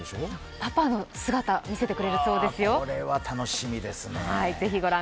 パパの姿を見せてくれるらしいですよ。